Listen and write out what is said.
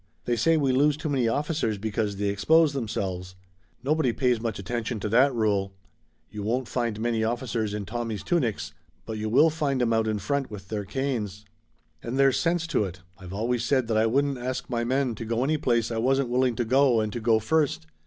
They say we lose too many officers because they expose themselves. Nobody pays much attention to that rule. You won't find many officers in Tommies' tunics, but you will find 'em out in front with their canes. "And there's sense to it. I've always said that I wouldn't ask my men to go any place I wasn't willing to go and to go first.